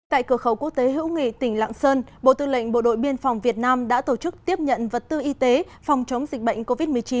tại cửa khẩu quốc tế hữu nghị tỉnh lạng sơn bộ tư lệnh bộ đội biên phòng việt nam đã tổ chức tiếp nhận vật tư y tế phòng chống dịch bệnh covid một mươi chín